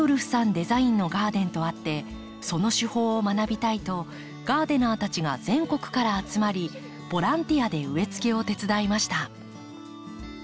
デザインのガーデンとあってその手法を学びたいとガーデナーたちが全国から集まりボランティアで植えつけを手伝いました。